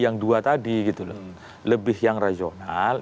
yang dua tadi gitu lebih yang regional